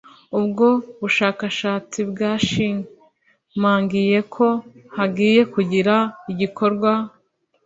Ubwo bushakashatsi bwashimangiye ko hagiye kugira igikorwa